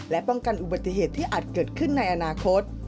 และป้องกันอุบัติเหตุที่อาจเกิดขึ้นในอนาคต